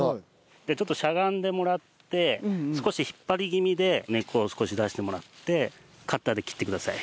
じゃあちょっとしゃがんでもらって少し引っ張り気味で根っこを少し出してもらってカッターで切ってください。